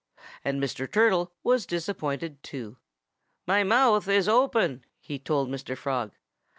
And Mr. Turtle was disappointed too. "My mouth is open," he told Mr. Frog.